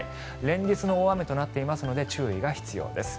連日の大雨となっていますので注意が必要です。